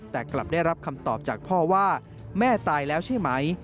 แต่กลับได้รับคำตอบจากพ่อว่าแม่ตายแล้วใช่ไหม